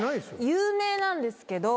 有名なんですけど。